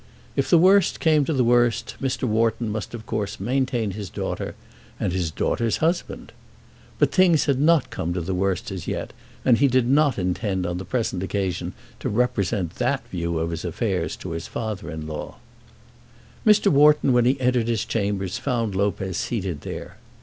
If the worst came to the worst, Mr. Wharton must of course maintain his daughter, and his daughter's husband! But things had not come to the worst as yet, and he did not intend on the present occasion to represent that view of his affairs to his father in law. Mr. Wharton when he entered his chambers found Lopez seated there.